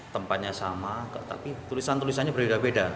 tempatnya sama tapi tulisan tulisannya berbeda beda